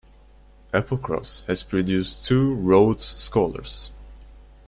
Applecross has produced two Rhodes Scholars.